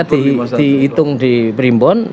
dihitung di perimbun